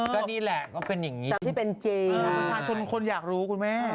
ก็นี่แหละก็เป็นอย่างงี้ตามที่เป็นเจน่ะคนอยากรู้คุณแม่